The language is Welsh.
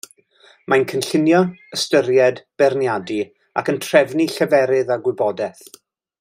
Mae'n cynllunio, ystyried, beirniadu, ac yn trefnu lleferydd a gwybodaeth.